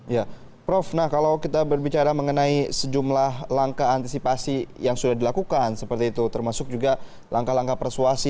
ya prof nah kalau kita berbicara mengenai sejumlah langkah antisipasi yang sudah dilakukan seperti itu termasuk juga langkah langkah persuasi